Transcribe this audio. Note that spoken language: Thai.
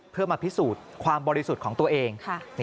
เพื่อมาพิสูจน์ความบริสุทธิ์ของตัวเอง